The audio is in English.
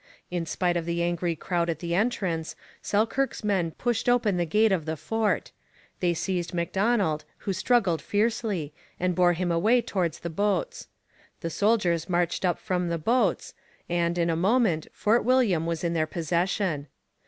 In spite of the angry crowd at the entrance, Selkirk's men pushed open the gate of the fort. They seized M'Donald, who struggled fiercely, and bore him away towards the boats. The soldiers marched up from the boats, and, in a moment, Fort William was in their possession.